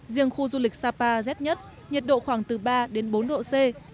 riêng khu du lịch sapa rét nhất nhiệt độ khoảng từ ba đến bốn độ c